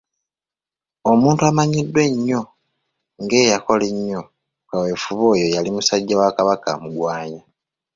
omuntu amanyiddwa ennyo ng‘eyakola ennyo ku kaweefube oyo yali Omusajja wa Kabaka Mugwanya.